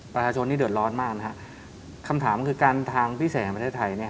ประชาชนที่เดินร้อนมากนะครับคำถามคือการทางพิเศษของประเทศไทย